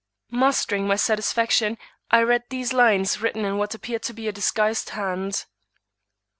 Mastering my satisfaction, I read these lines written in what appeared to be a disguised hand.